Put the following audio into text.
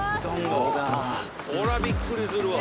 そりゃびっくりするわ。